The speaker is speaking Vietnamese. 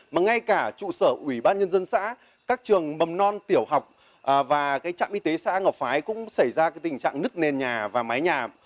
mà ngay cả trụ sở ủy ban nhân dân xã các trường mầm non tiểu học và trạm y tế xã ngọc phái cũng xảy ra tình trạng nứt nền nhà và mái nhà